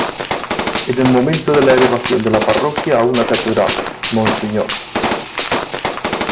En el momento de la elevación de la parroquia a una catedral, Mons.